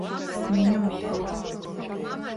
Es viņu mīlu.